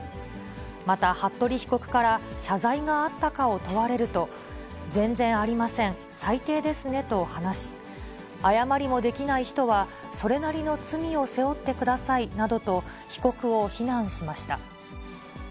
また服部被告から謝罪があったかを問われると、全然ありません、最低ですねと話し、謝りもできない人は、それなりの罪を背負ってくださいなどと、被告を非難しました。